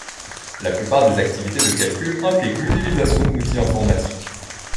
La plupart des activités de calcul impliquent l'utilisation d'outils informatiques.